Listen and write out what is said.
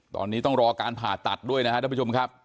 ตอนนี้ต้องรอการผ่าตัดด้วยนะครับท่านผู้ชมครับ